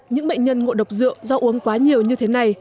những bệnh nhân ngộ độc rượu do uống quá nhiều như thế này